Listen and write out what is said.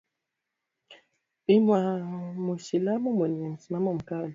i mwisilamu mwenye msimamo mkali